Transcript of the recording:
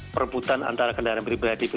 perputaran antara kendaraan pribadi